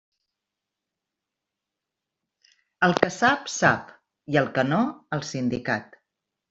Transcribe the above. El que sap, sap, i el que no, al sindicat.